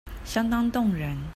相當動人